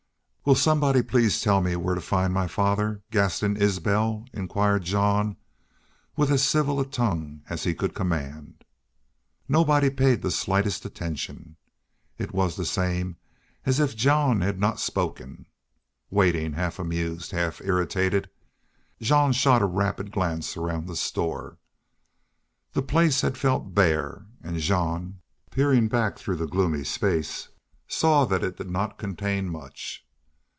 "Will somebody please tell me where to find my father, Gaston Isbel?" inquired Jean, with as civil a tongue as he could command. Nobody paid the slightest attention. It was the same as if Jean had not spoken. Waiting, half amused, half irritated, Jean shot a rapid glance around the store. The place had felt bare; and Jean, peering back through gloomy space, saw that it did not contain much.